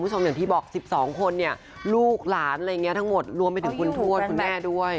ที่พี่บอก๑๒คนลูกหลานทั้งหมดรวมไปถึงคุณทวนคุณแม่ด้วย